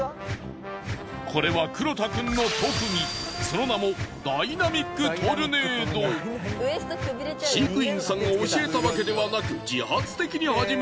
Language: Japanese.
これはくろたくんの特技その名も飼育員さんが教えたわけではなく。